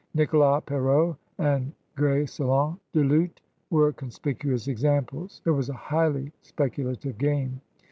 Nicholas Perrot and Greysolon Du Lhut were conspicuous examples. It was a highly speculative game.